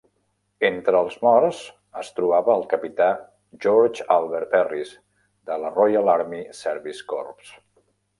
Entre els morts es trobava el Capità George Albert Perris, de la Royal Army Service Corps.